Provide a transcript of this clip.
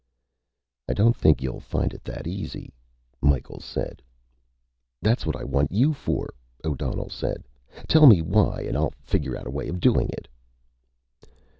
"I don't think you'll find it that easy," Micheals said. "That's what I want you for," O'Donnell said. "Tell me why and I'll figure out a way of doing it."